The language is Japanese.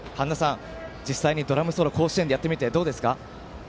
実際にドラムソロ、甲子園でやってみて、どうですか？